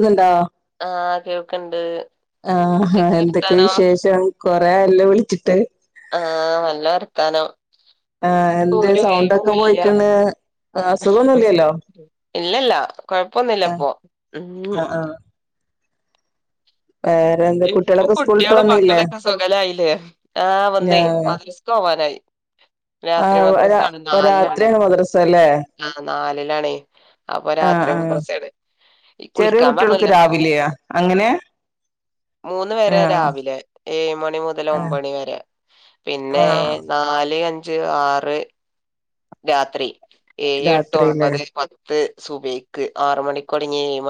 അതണ്ടാ ആ കേൾക്കണ്ട് ആഹ് ആഹ് എന്തൊക്കെ വിശേഷം കൊറെ ആയല്ലൊവിളിച്ച്ട്ട് ആഹ് നല്ല വർത്താനം ആ ഇപ്പൊ എന്തേ ഒരു സൗണ്ടൊക്കെ ഒഴിവുല്ല പോയ്ക്ക്ണ് അസുഖൊന്നുല്ലല്ലോ ഇല്ലല്ല കൊഴപ്പൊന്നുല്ല അഹ് ഇപ്പൊ ഉം അഹ് ആ ഇപ്പൊ കുട്ടികളൊക്കെ സ്കൂളിട്ട് കുട്ട്യാളും വന്നില്ലേ മക്കളൊക്കെ സുഖലായില്ലേ ആഹ് വന്നേ മദ്രസ് പോവാനായി രാത്രി ആഹ് ഒരാ മദ്രസാണ് ഇപ്പൊ നാല്ല്ആണ് രാത്രിയാണ് മദ്രസ ല്ലേ നാലിലാണേ അപ്പൊ ആഹ് രാത്രി ആഹ് മദ്രസേണ് ഇ ചെറിയ കുളിക്കാ കുട്ടികൾക്ക് പറഞ്ഞല്ലേ രാവിലെയാ അങ്ങനെ മൂന്ന് വരെ ആഹ് രാവിലെ ഏയ്മണി മുതല് ആഹ് ഒമ്പണി വരെ പിന്നെ ആഹ് നാല് അ ഞ്ച് ആറ് രാത്രി ഏയ് എട്ട് രാത്രില്ലേ ഒമ്പത് പ ത് സുബിഹിക്ക് ആറ് മണിക്ക് ഒടങ്ങി എ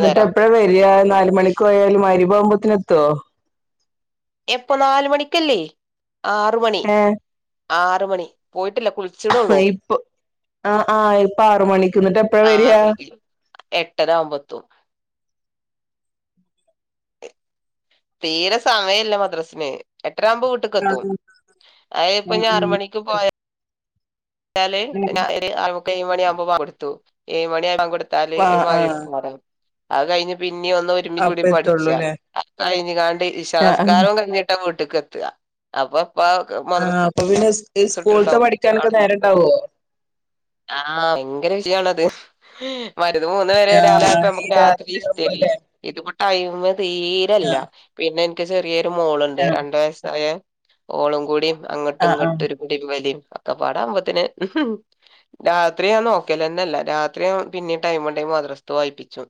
ന്ന്ട്ട് നേരം എപ്പഴ വരാ നാല് മണിക്ക് ഓയാല് മഅ് പോവുമ്പത്തിനെത്തോ എപ്പോ നാല്മണിക്കല്ലേ ആറ് മണി ഏഹ് ആറ് മണി പോയിട്ടില്ല കു ഇപ്പൊ ആ ആഹ് ഇപ്പ ആറ് മണിക് ന്ന്ട്ട്ടപ്പഴാ ആറ് വെരാ മണിക്ക് എട്ടര ആവുമ്പോ എത്തും തീര സമയല്ല്യ മദ്രാസിന് ട്ടര ആവുമ്പോ ആഹ് വീട്ട്കെത്തും ആഹ് ആഹ് അതിപ്പഞ്ആറുമണിക്ക് പോയാ ആഹ് [unintelligible] ഒര് ആറേമുക്കാ ഏഴ് മണി ആവുമ്പോ ബാങ്കൊടുത്തു ഏയ്മണി ആയാ ബാങ്കെ താല് ആഹ് ആഹ് [unintelligible] അതുകഴിഞ്ഞ് പി പിന്നിം ഒന്ന് ഒരുമി അപ്പ കൂടി പഠിച്ച എത്തുള്ളൂല്ലേ കയ്ഞ് ങ്ങാണ്ട് ആഹ് ഇശാസ്ക്കാരും കഴിഞ്ഞിട്ടാ വി ട്ട്ക്കെത്താ അപ്പം ആഹ് അപ്പൊ പിന്നെ സ് ഇസ്കൂള്ത്ത വിട്ട്ണ്ടാവും പഠിക്കാനൊക്കെ അവ്ടെ നേരണ്ടാവോ ആഹ് വയങ്കര വിജയാണത് മര്‌ത് മൂന്ന് വരേ ആഹ് രാവിലയപ്പ ഈ ഞമ്മക്ക് രാത്രി ഇഷ്ടേര്ന്നു ആവുമ്പോല്ലേ ഇത് കയി തീരല്ല ആഹ് പിന്നെ ക്ക്‌ ചേറ്യേ ഒരു മോളുണ്ട് ആഹ് രണ്ട് വയസ്സായ. ഓളും കൂടി. അങ്ങട്ടും ആഹ് ഇങ്ങട്ടും ആഹ് ഒരുപിടീം വലീം ഒക്കപ്പാടാവുമ്പൊത്തിന് രാത്രി ഞാൻ നോക്കലെന്നല്ല രാ ത്രയൊ പിന്നെം ടൈമുണ്ടെങ്കി മദ്രസ്ത്തെ വായിപ്പിച്ചും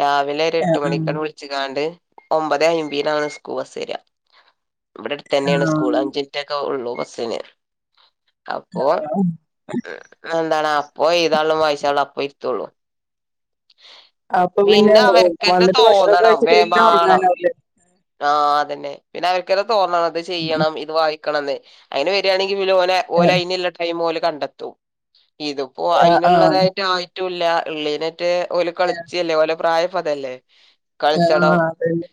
രാവിലെ ഒരെട്ട് ആഹ് മണിക്കാട്ട് വിളിച്ച്ക്കാണ്ട് ഒമ്പതേ അയിമ്പീനാണ് സ്കൂ ബസ്സര്യാ ഇവിടെ അട്ത്തന്നേണ് ആഹ് സ്കൂള് ആഹ് അഞ്ചിറ്റക്കെ ഉള്ളൂ ബസ്സിന് അപ്പോ ഉം എന്താണ് അപ്പൊ എഴുതാള്ളും വായിച്ചാള്ളും അപ്പ ഇര് ത്തൊള്ളൂ അപ്പൊ പിന്നെ വന്നിട്ട് ഭക്ഷണോക്കെ തോന്നണം കഴിച്ചിട്ട് വേം പിന്നെ ഉറങ്ങാനാവല്ല ന്നെ പിന്നെ അവ തോന്നണംത് ചെയ്യണം ഇത് ണന്ന് അയിന് വരാണെങ്കിൽ [unintelligible] ഓലെ ഓല ആഹ് അയിനില്ല ടം ഓല് കണ്ടെത്തു ഇതിപ്പോ ആഹ് ആഹ് അയിനുള്ളതായിട്ട് ആയി റ്റൂല്ല ഇള്ളിന മറ്റേ ഓല് കളിച്ചല്ലേ ഓലെ പ്രായം പ്പതല്ലേ ആ അതന്നെ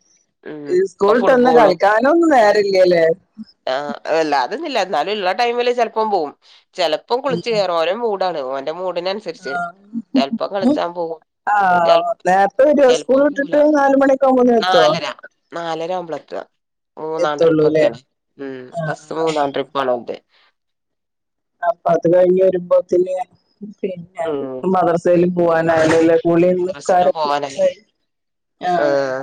ഇപ്പൊ സ്കൂളിട്ടൊന്ന ഫുട്ബോളും കളിക്കാനോ ഒന്നും നേരല്ല്യാലെ അല്ല അതന്നില്ല എന്നാലും ഇള്ള ടൈമില് ചെലപ്പം പോകും ചെലപ്പം കുളി ഉം ഉം രോ മൂടാണ് ഓന് ന്റെ മൂഡിനനുസരിച്ച് ചെലപ്പോ കളിച്ചാൻ പോകും ആഹ് ചെ ആഹ് നേരത്തെ വരുവോ ചെലപ്പോ സ്കൂൾ പോകൂല വിട്ടിട്ട് നാല് മണിയൊക്കെ ആവുമ്പോത്തിന് എത്തുവോ നാലര നാലര ആവുമ്പള എത്ത മൂന്നാം ട്രിപ്പൊക്കെ എത്തുള്ളൂല്ലേ ആണ് ഉം ആഹ് ബസ് ആഹ് മൂന്നാം ട്രിപ്പ് ആണ് ഇങ്ങട്ട് അപ്പൊ അത് കഴിഞ്ഞ് വരുമ്പോത്തിന് പിന്നെ ഉം ഇപ്പൊ മദർസയിലും പൂവാലായിലെല് കുളിം മദ്രസിനും നിസ്കാരൊക്കെ പോവാനായി കഴിഞ്ഞ് ആ ആഹ്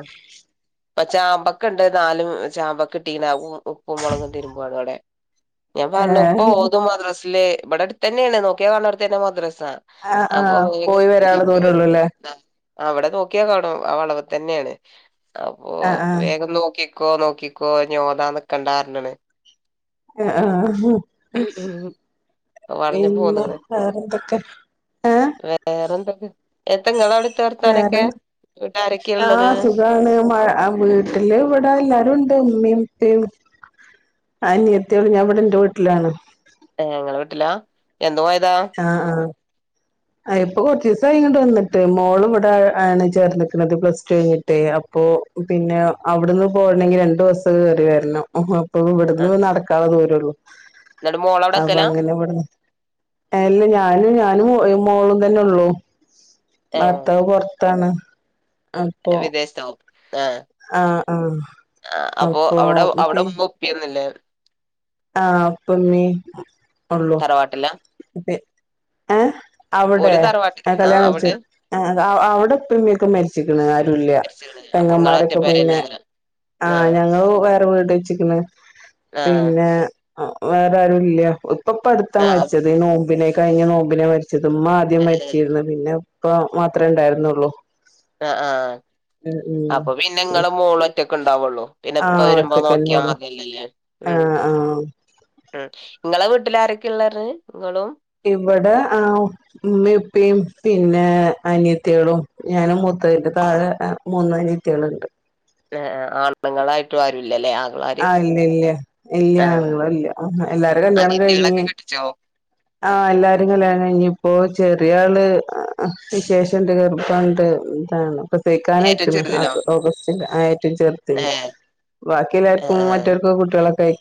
ഇപ്പൊ ചാമ്പൊക്ക ഉണ്ട് നാലും ചാമ്പക്ക ഇട്ടീനും ഉപ്പും മുളകും തിരുമ്പാണ് അവിടെ ഞാൻ പറഞ്ഞ ഇപ്പ ഏഹ് ഓതു മദ്രാസില് ഇവിടെടുത്തന്നേണ് നോക്കിയാ കാണ് ണോട്ത്തന്നെ മദ്ര സ. ആഹ് അപ്പൊ ആഹ് വേഗ പോയി വരാനുള്ള ദൂരള്ളൂല്ലേ [unintelligible] ആഹ് വടെ നോക്കിയാ കാണും ആ വളവ് തന്നേണ്. അപ്പൊ ആഹ് വേഗം നോക്കി ക്കോ നോക്കിക്കോ ഞ് ഓതാന്ന് നികണ്ടാർഞ്ണ്. ആഹ് ആഹ് പിന്ന വേറെന്തൊക്കെ? വേറെന്തൊക്ക വേറെ ന്ത് വീട്ടിൽ ആരൊക്കെയാ ഇള്ളത് ആഹ് സുഖാണ് മഴ അ വീട്ടില് വ് ട എല്ലാരൂണ്ട് ഇമ്മിം ഇപ്പിം അനിയത്തിയേളും ഞാൻ ഇവടെ ഇന്റ വീട്ടിലാണ്. ഏഹ് ഇങ്ങളെ ല്ലാ എന്നോ ആയ ആഹ് ആഹ് ആ എയ് ഇപ്പൊ കൊറച്ചീസായി ഇങ്ങട്ട് വന്നിട്ട്. മോളും ഇവിടെ ഏണ് ചേർന്ന്ക്ക്ണത് പ്ലസ് ടു കഴിഞ്ഞിട്ടേ അപ്പൊ പിന്നെ അവിടുന്ന് പോവെണെങ്കി രണ്ടോസം കേറി വരണം ഇപ്പൊ ഇവിടുന്ന് നടക്കാനുള്ള ദൂ ഉള്ളു എനട്ടു മോള അവിടെക്കലാ ഇല്ല ഞാനും ഞാനും മോളും തന്നെ ഉള്ളു ഭർത്താവ് പൊർ പൊറത്താണ് അപ്പൊ വിദേശത്തോ ആഹ് ആഹ് ആഹ് അപ്പൊ അവിടെ അവിടെ മുമ്പ് ഒപ്പിരുന്നില്ലേ ആഹ് അപ്പൊ നീ ഉള്ളോ തറവാട്ടിലാ പി ഏ അവിടെ ഓല് തറവാട്ടിൽ ആ കല്യാണം കഴിച്ചു അവിടെ അഹ് അവിടെ ഉപ്പ ഇമ്മിംയൊക്കെ മരിച്ചരിക്ക്ണ് ഇല്ല മരിച്ച്ണ് അപ്പൊ ഇങ്ങള് പെങ്ങമാരൊക്കെ പിന്നെ ഒറ്റപ്പെരന്നെക്കാരം ആഹ് ഞങ്ങൾ വേറെ വീട് വച്ചിക്ക്ണ് ആഹ് പിന്നെ അഹ് വേറെ ആരും ഇല്ല ഇപ്പ അടുത്താ ആഹ് മരിച്ചത് ഈ നോമ്പിനു കഴിഞ്ഞ നോമ്പിനാ മരി ചതുമ് ആദ്യം മരിച്ചിരുന്നു പിന്നെ ഇപ്പ മാത്രമേ ഉണ്ടായിരുന്നുള്ളൂ ആ ആ ഉം അപ്പൊ ഉം പിന്നെങ്ങളടെ മോളൊറ്റൊക്കെ ഉണ്ടാവുള്ളൂ പിന്നെ ഇപ്പ ആഹ് വരുമ്പോ ഒറ്റക്കന്നെ നോക്കിയാ ഉള്ളു മതീല്ലല്ലേ ഉ ആഹ് ആഹ് ഉ നിങ്ങളെ വീട്ടില ആാരൊക്കെ ഉള്ളന്ന് നിങ്ങളും ഇവിടെ ആ ഉമ്മയും ഉപ്പിംപിന്നെ അനത്തികളും ഞാനും മൂത്തതിന്റെ താഴെ മൂന്ന് അനത്തികളുണ്ട് ആണുങ്ങളൾായിട്ട് ആരുല്ലേ ആ ഇല്ല ഇല്ല ഇല്ല ആഹ് ആണുങ്ങളും ഇല്ല എല്ലാരും കല്യാണം കഴിഞ്ഞഞ് അനിയത്തിയാളൊക്കെ കെട്ടിച്ചോ ആ എല്ലാരും കല്യാണം കഴിഞ്ഞഞ് ഇപ്പോ ചെറിയ ആള് വിശേഷം ഉണ്ട് കെറ്ബം ഉണ്ട് ഇതാണ് പ്രസവിക്കാൻ ഏറ്റവും ആയയിക്ക്ണ് ചെറുതിനോ ഓഗസ്റ്റില്ഏറ്റവും ചേർത്തിന് ഏഹ് ബാക്കില്ല മറ്റർക്കെ കുട്ടികളൊക്കെയി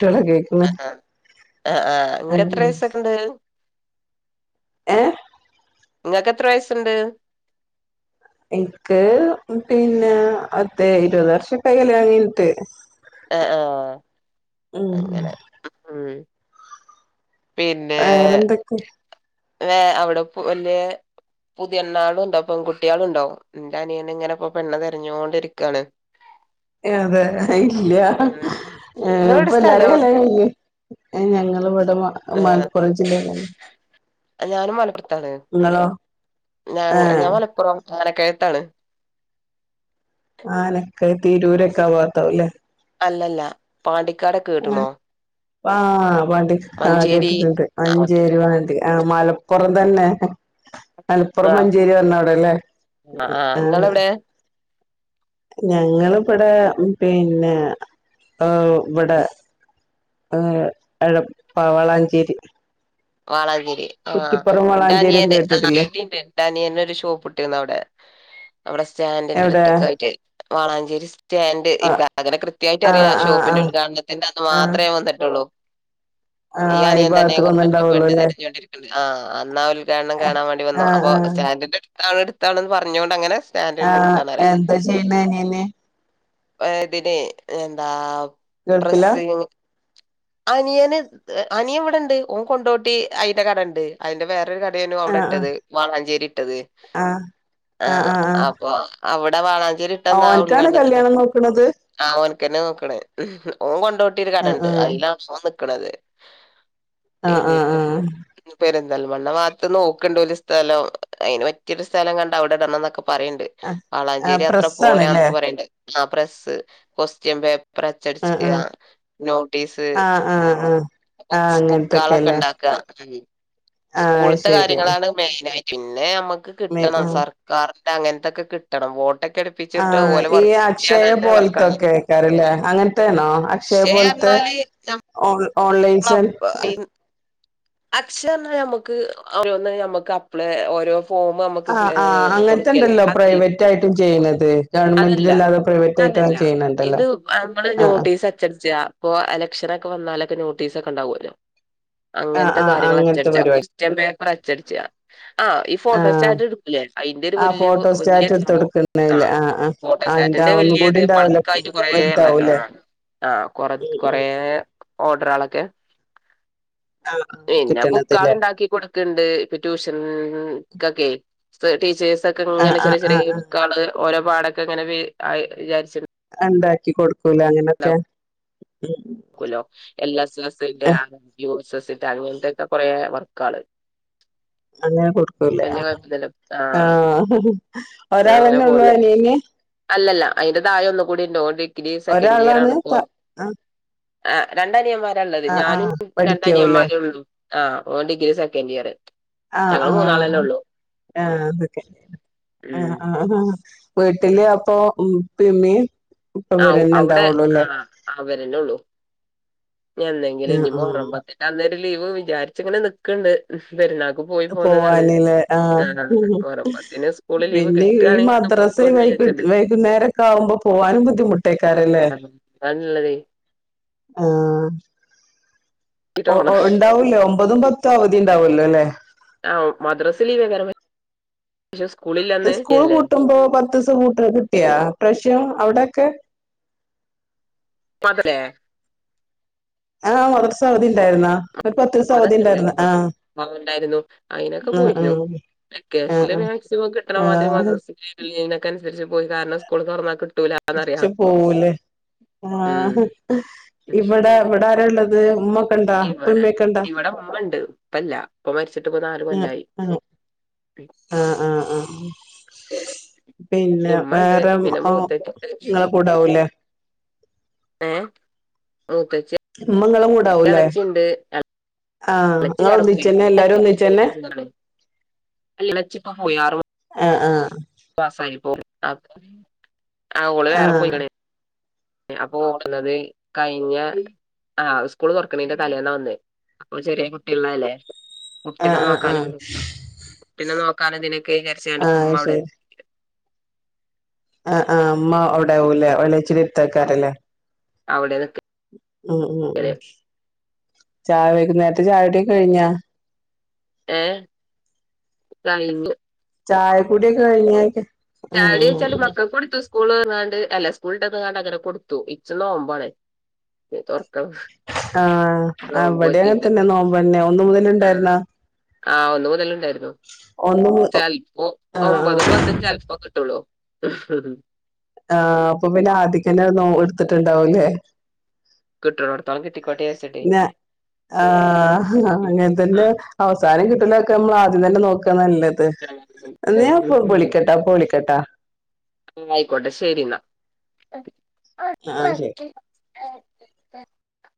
[unintelligible] ആ ആ ആ ഇങ്ങെരെഎത്ര ഉം വയസൊക്കെണ്ട് ഏഹ് നിങ്ങക്ക് എത്ര വയസുണ്ട് എക്ക് പിന്നെ അതേ ഇരുപത് വർഷം ഇപ്പ കല്യാണം കഴിഞ്ഞിട്ട് ആ ആ ഉം അങ്ങനെ ഉ വേറെന്തൊക്കെ അവിടെ വല്യ പുതിയണ്ണാളും ഉണ്ടോ പെൺകുട്ടികളുണ്ടോ എന്റെ അനിയന ഇങ്ങനെപ്പോ പെണ്ണ തിരഞ്ഞോ ണ്ടിരിക്കാണ് അതെതെ ഇല്ല ഏ നിങ്ങളെവിടെ ഇപ്പ എല്ലാരും സ്ഥലം കല്യാണം കഴിഞ്ഞു ഞങ്ങള് ഇവിട ആ ഞാനും മലപ്പുറത്താണ് നിങ്ങളോ ഞ ഏഹ് ഞാൻ മലപ്പുറം അനക്കഴത്താണ് ആനക്കയത്ത് തീരൂരൊക്കാ ഭാഗത്തല്ലേ അല്ലല്ല പാടി കടക്ക് കേട്ട്ണോ ആ വണ്ടി മഞ്ചേരി കേട്ടിട്ടുണ്ട് അങ്ങോട്ട് മഞ്ചേരി വണ്ടി മലപ്പുറം തന്നെ മലപ്പുറം ആഹ് മഞ്ചേരി വന്ന അടെല്ലേ ആഹ് ആഹ് ആ ഇങ്ങളെവിടെ ഞങ്ങളിവിടെ പിന്നെ ഇവിടെ ഏർ പവാളാഞ്ചേരി വാളങ്ങി ആാ വളാഞ്ചേരി എന്റനിയൻ ഒക്കെ ആ കേട്ടിട്ടില്ലേ എന്റനിയൻ ഒരു ഷോപ് ഇട്ടിരുന്നു അവിടെ അവിടെ സ്റ്റാൻറിന്റ എവിടെ ടുത്തൊക്കെ ആയിട്ട് വാളാഞ്ചേരി സ്റ്റാൻഡ് ആഹ് എനിക്ക് അങ്ങനെ കൃത്യമായിട്ട് അങ്ങനെ കൃത്യായിട്ട് ആഹ് അറിയില്ല ആ ആഹ് ഷോപ്പിന്റെ ആഹ് ഉദ്ഘാടനത്തിന്റെ അന്ന് ആഹ് മാത്രമേ വന്നിട്ടുള്ളൂ ആഹ് ഈ ഭാഗത്ത കൊന്നണ്ടാവ ഫണ്ട് തെരഞ്ഞോണ്ടിരിക്കുന്ന് ആഹ് അന്നാൽ ജയണ്ണൻ ആഹ് കാണാൻ വേണ്ടിവന്നു അപ്പോ ആഹ് സ്റ്റാൻഡിൻ്റെ ആളടെടുത്താണ് ന്ന് പറഞ്ഞോണ്ട് അങ്ങനെ സ്റ്റാൻഡിന്റെ ആഹ് അടുത്താണ് എന്താ ചെയ്യുന്നെ [unintelligible] വേഡിനെ എന്താ ഗൾഫിലാ പ്രസിംഗിന് അനിയന് അനിയൻ ഇവിടെണ്ട് ഓൻ കൊണ്ടോട് ട്ടി അയിന്റെ കട ഇണ്ട് അയിന്റെ വേറൊരു ക ടേനു അവടെ ആഹ് ഇട്ടത് വാളാഞ്ചേരി ഇട്ടത് ആഹ് ആഹ് ആ ആഹ് ആഹ് ആഹ് അപ്പൊ അവടെ വാളാഞ്ചേരി ഇട്ടന്ന ആ ഓൻക്കാണ് ഉദ്ഘാടനത്തിന് കല്യാണം നോക്കണത് ആ ഓനക്ക്ന്നെ നോക്കണേ ഓൻ കൊണ്ടോട്ടി ഒരു ആഹ് കടണ്ട് അയിലാ ഓൻ നി കണതെ ആഹ് ആഹ് ആഹ് ആഹ് പേരന്ത നെൽമണ്ണ ഭാത്ത് നോക്കണ്ട് ഒരു സ്ഥലം അയിന് പറ്റിയൊരു സ്ഥലം കണ്ട അവിടെ ഇടണം ന്നൊക്കെ പറയണ്ട് ആഹ് ആഹ് വളാഞ്ചേരി അത്ര പ്രസ്സാണ്ല്ലേ പോരാന്നൊക്കെ പറയണ്ട്. ആ പ്രസ്സ് ക്വസ്റ്റ്യൻ പേപ്പ പ്പറ് ആഹ് അച്ചടിച്ച്ക്കാ, ആഹ് നോട്ടീസ്, ആഹ് ആഹ് ആഹ് ആഹ് ബുക്ക്സ്, ബുക്കോളൊക്കെ അങ്ങനത്തൊക്കെല്ലേ ഉണ്ടാ. [unintelligible] ആഹ് അത് സ്കൂളത്തെ ശരി കാര്യങ്ങളാണ് മെയിനായി. പിന്നെ അമ്മ ക്ക് മെ കിട്ടണം ആഹ് സർക്കാർ അങ്ങനത്ത ഒക്കെ കിട്ടണം വോട്ട് ആ ഈ അക്ഷയ പോലത്തെ വർക്കാണ് ഒക്കെ ആയ്ക്കാരല്ലേ അങ്ങനത്തെ ആണോ അക്ഷയ പക്ഷേ പോലത്തെ പറഞ്ഞാല് ഓൺ ഓൺലൈൻ സെൻ അക്ഷയാ പറഞ്ഞാ ഞമ്മുക്ക് ഓരോന്ന് ഞമ്മക്ക് അപ്ലേ ഓരോ ഫോം നമുക്ക് ആ ഫി- ഏഹ് ആഹ് കൊടുക്കല്ലേ അങ്ങനത്തെണ്ടല്ലോ അതല്ല പ്രൈവറ്റ് ആയിട്ടും ചെയ്യണ ത്. അതല്ല ഇത് അതല്ല ചെയ്യണണ്ടല്ലോ ഇത് നമ്മള് ആഹ് നോട്ടീസ് അച്ചടിച്ചാ പ്പൊ എലക്ഷനൊക്കെ വന്നാലൊ ക്കെ നോട്ടീസൊക്കെ ഉണ്ടാവുല്ലോ. ആഹ് അങ്ങനത്തെ ആഹ് ആഹ് കാര്യങ്ങള് അങ്ങനത്തെ അച്ചടിച്ചാ പരിപാടി ക്വസ്റ്റ്യൻ പേപ്പർ അച്ചടിച്ചാ ആ ഈ ആഹ് ഫോട്ടോസ്റ്റാറ്റ് ഇടുക്കൂല്ലേ അയിന്റെ ഒരു ആഹ് വല്യോ ഫോട്ടോ വല്ല്യൊ സ്റ്റാറ്റ് എടുത്ത് സംഭവം ആ. കൊടുക്കുന്നല്ലേ ആഹ് ആഹ് ആഹ് അതിന്റെ ഫോട്ടോസാറ്റിന്റെ ഒന്നും കൂടി വല്ല്യത് ഉണ്ടാവല്ലോ ബൾക്കായിട്ട് കൊറെ ള്ള ആ വലുതാവൂല്ലേ ആ കൊറെ ഉം ഉം കൊറെ ഓർഡറോളൊ ക്കെ. ആഹ് ആഹ് പിന്നെ ബുക്കാള് കിട്ടണതല്ലേ ഇണ്ടാക്കി കൊടു ത്ണ്ട് പ്പം ട്യൂഷൻ കൊക്കെ പ് ടീച്ചേയ്സ് ക്കൊക്കെ ആഹ് ഇങ്ങനെ ആഹ് ചെറിയ ആഹ് ചെറിയ ആഹ് ബുക്കാള് ഓരോ പാടൊക്കെങ്ങനെ വേ അഹ് വിചാരിച്ചി അഹ് ഉണ്ടാക്കി കൊടു കൊടുക്കൂല അങ്ങനൊക്കെ ഉം എൽ എസ് എന്റെ ആ യു എസ് എന്റെ അങ്ങനത്തെൊക്കെ കുറെ വർ കാള അങ്ങനെ കൊടുക്കല്ലേ ആഹ് അങ്ങനെ ഒരാൾന്നെ ഉള്ളു പോണ്ട് നീന്? അല്ലല്ല അതിന്റെ തായ ഒന്ന് കൂടി ണ്ട് നോ ഒരാളാണ് പ ആ ആ രണ്ട അനിയന്മാർ ള്ളത് ഞാനും പഠിക്കാവൂലേ രണ്ടനിയന്മാരേ ഉള്ളു. ആ ഓൻ ഡിഗ്രി സെക്കൻഡ് ഇയറ് ആഹ് ആഹ് ആഹ് ന്നെ ക്കെ ആഹ് ഉം ആഹ് ഹാ [inaudible] വീട്ട്ല് അപ്പൊ ഉം ഇപ്പീയിമ്മിം ആ ഔടെ ആ അവരെന്നെള്ളു. ഇഞെന്നെങ്കിലും ഇഞ് ആഹ് മൊഹറം പത്തിന്റന്ന് ഒരു ലീവ് വിചാരിച്ച്ങ്ങെനെ ന്ക്ക്ണ്ട് പെര്ന്നാ അഹ് പോവാനിലേ ആ മുഹറം പത്തിന് സ്കൂള് ലീവ് പിന്നെ ഈ കിട്ടാണെങ്കി അന്ന് പോയി പോരാന്ന് മദ്രസൊയിവായി കിട്ട് വിചാരിച്ച്ണ്ട് വൈകുന്നേരക്കാവുമ്പോ പോവാ ന്നാലും ബുദ്ധിമുട്ടേക്കാരലേ? അതാണ്ള്ളതേ ആഹാ ഓ ട്ടോണം ഒണ്ടാവൊല്ലോ ഒമ്പതും പത്തും അവധിണ്ടാവല്ലോ ല്ലേ? ആഹ് മദ്രസ് ലീവേക്കാരം പക്ഷെ സ്കൂളില്ലന്ന് സ്കൂൾ ലീവല്ലേ പൂട്ടുമ്പോ പത്തൂസം പൂട്ട് കിട്ടിയാ ഇപ്രാശ്യം അവ്ടെ? ക്കെ [unintelligible] ആ മദ്രസ് അവധി ഉണ്ടായിരുന്നാ ഒരു പത്തീസം അവധി ഉണ്ടായിരുന്ന് അതൊക്കെണ്ടായിനി ആഹ് ഇണ്ടായിരുന്നു അയിനൊക്കെ ആഹ് ആഹ് പോയിനു വെക്കേഷൽല് ആഹ് മാക്സിമം കിട്ടണ ആഹ് മാതിരി ആഹ് മദ്റസ ലീവില്ലേനെക്കെ രിച്ച് പോയി കാരണം സ്കൂൾ തൊറന്ന ക്ട്ടൂ ച്ച് പോവൂലെ ആ ഉം ഇബടെ ഇബടാരാള്ളെത്? ത് മ്മക്ക്. ഇവിടെ ഇവിടെ ഉമ്മണ്ട് ഇപ്പയില്ല ഇപ്പാ മരിച്ചിട്ട് പ്പോ നാല് ആഹ് കൊല്ലായി. ആഹ് ആഹ് ആഹ് ആഹ്. [unintelligible] പിന്നെ ഇമ്മണ്ട് വേറെ പിന്നെ മൂത്തച്ചി നിങ്ങളെ കൂടാവൂലേ. ഏഹ് മുത്തച്ചി. ഇമ്മ നിങ്ങടെ കൂടാവൂല്ലേ. ഇളച്ചി വേറെ പോയി ഇളച്ചിപ്പ പോയിറോ ആഹ് ആഹ് പാസായി പോയി ആ ആ ഓള് വേറെ ആഹ് പോയിക്കണ്. അപ്പൊ ഓടുന്നത് കഴിഞ്ഞ ആഹ് സ്കൂള് തുറക്കണീന്റെ തലേന്നാ വന്നെ അപ്പൊ ചെറിയ കുട്ടിയള്ളല്ലേ. ആഹ് കുട്ടിനെ ആഹ് ആഹ് നോക്കാന് ആഹ് കുട്ടിനെ നോക്ക ക [unintelligible] കഴിഞ്ഞരപ്പ ഉമ്മ അത് അവിടെ എ ആ ആ അമ്മ അവിടെയാവലേ ഇളയച്ചി എത്തക്കാരല്ലേ അവിടെനിക്കൽ ആഹ ഉ ഉ ചായ വൈകുനേരത്തെ ചായ കുടി കഴിഞ്ഞാ ഏഹ കഴിഞ്ഞു ചായ കൂടി കഴിഞ്ഞോ ചായ കുടി ചോയിച്ചാൽ മക്കൾ ക്ക് കൊടുത്തു സ്കൂൾ വിട്ടാന്നക്കാണ്ട് അങ്ങനെ കൊടുത്തു ഇച്ച് നോമ്പ് ആണ് ആഹ അവിടെ അങ്ങനെ നോമ്പോറ്റിണ്ട് തന്നെ നോമ്പന്നെ ഒന്ന് മുതല് ആ ഇണ്ടായിരുന്നോ ആഹ ഒന്ന് മുതല് ഉണ്ടായിരുന്നു ഒന്ന് മു ചിലപ്പോ ആഹ് ഒമ്പത് ആഹ് പത്തും ചിലപ്പോ കിട്ടുള്ളൂ ആഹ അപ്പൊ പിന്നെ ആദ്യക്കന്നെ എടുത്തിട്ടുണ്ടാവൂല്ലേ കിട്ടിനോടത്തോളം കി പിന്നെ ആ അങ്ങന തന്നെ അവസാനം കിട്ടലൊക്കെ നമ്മൾ ആദ്യം തന്നെ നോക്കാ നല്ലത് ഞാ പോ ആഹ് വിളിക്കട്ടാപ്പ വിളിക്കട്ടാ ആ ആയിക്കോട്ടെ ശരി എന്നാ ആഹ ശരി ആ